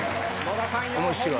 野田さん